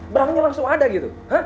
berangnya langsung ada gitu